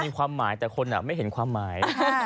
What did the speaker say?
มีความหมายแต่คนไม่เห็นความหมาย